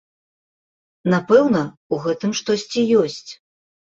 Напэўна, у гэтым штосьці ёсць.